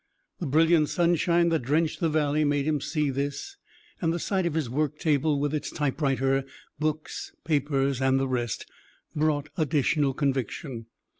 The brilliant sunshine that drenched the valley made him see this, and the sight of his work table with its typewriter, books, papers, and the rest, brought additional conviction.